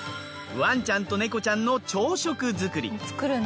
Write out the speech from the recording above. ワンちゃんとネコちゃんの朝食作り。